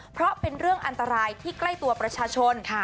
เพราะเป็นเรื่องอันตรายที่ใกล้ตัวประชาชน